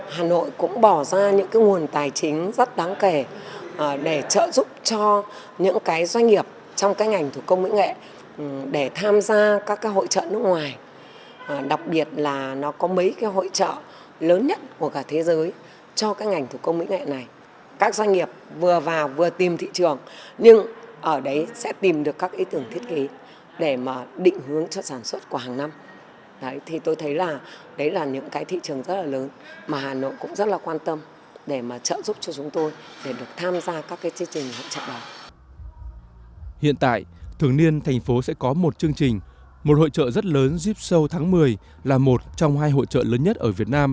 hà nội sẽ phát triển thương hiệu cho thương hiệu làng nghề